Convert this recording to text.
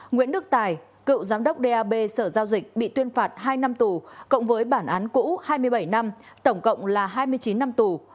nguyễn đức tài cựu giám đốc dap sở giao dịch bị tuyên phạt hai năm tù cộng với bản án cũ hai mươi bảy năm tổng cộng là hai mươi chín năm tù